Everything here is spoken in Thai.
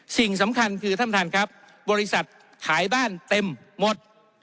สิ่งสำคัญคือท่านท่านครับบริษัทขายบ้านเต็มหมด